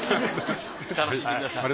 楽しんでください。